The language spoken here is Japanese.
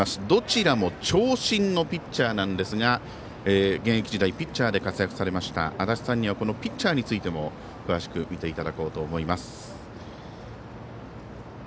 どちらも長身のピッチャーですが現役時代ピッチャーで活躍されました足達さんにはピッチャーについても詳しく見ていただこうと思います。